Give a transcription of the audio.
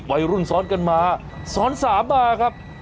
วัยรุ่นสอนกันมาสอน๓มาครับ